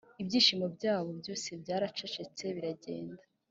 ibyishimo byabo byose byaracecetse biragenda;